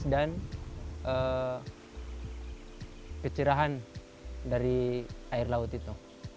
dan kecerahan dari air laut itu